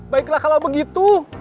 baiklah kalau begitu